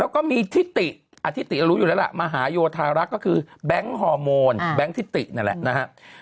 แล้วก็มีทิติอธิติเรารู้อยู่แล้วล่ะมหาโยธารักษ์ก็คือแบงค์ฮอร์โมนแบงค์ทิตินั่นแหละนะฮะ